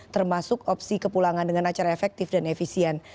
termasuk opsi kepulangan dengan acara efektif dan efisien